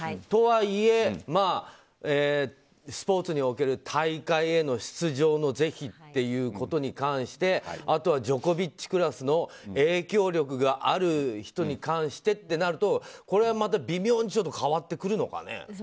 とはいえ、スポーツにおける大会への出場の是非っていうことに関してあとはジョコビッチクラスの影響力がある人に関してとなるとこれは、また微妙に変わってくるんですかね。